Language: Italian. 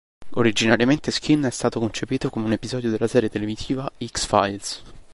Originariamente "Skin" è stato concepito come un episodio della serie televisiva "X-Files".